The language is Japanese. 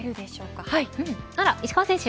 あら、石川選手。